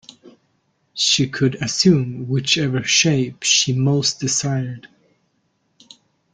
She could assume whichever shape she most desired.